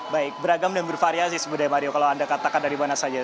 baik beragam dan bervariasi sebenarnya mario kalau anda katakan dari mana saja